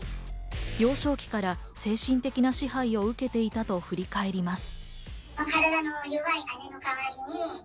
幼少期から精神的な支配を受けていたと振り返ります。